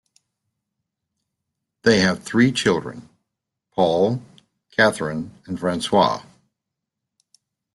They have three children: Paul, Catherine and Francois.